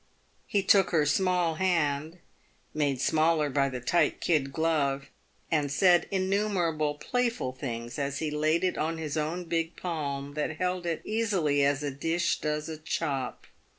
He took her small hand — made smaller by the tight kid glove — and said innumer able playful things as he laid it on his own big palm, that held it easily as a dish does a chop.